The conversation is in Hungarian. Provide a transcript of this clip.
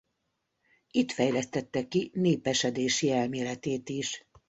Itt fejlesztette ki népesedési elméletét is.